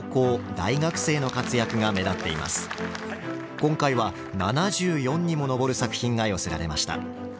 今回は７４にも上る作品が寄せられました。